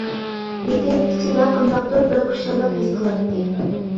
لېكىن، ئىچىدە قانداقتۇر بىر خۇشاللىق ھېس قىلاتتى.